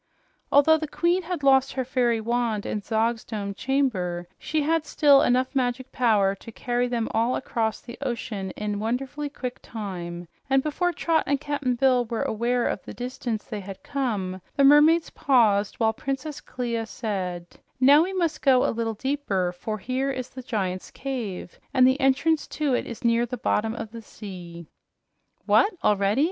Although the queen had lost her fairy wand in Zog's domed chamber, she had still enough magic power to carry them all across the ocean in wonderfully quick time, and before Trot and Cap'n Bill were aware of the distance they had come, the mermaids paused while Princess Clia said: "Now we must go a little deeper, for here is the Giant's Cave and the entrance to it is near the bottom of the sea." "What, already?"